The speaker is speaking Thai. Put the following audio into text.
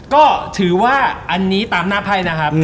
ก็ถือว่าอันนี้ตามหน้าไพ่นะครับ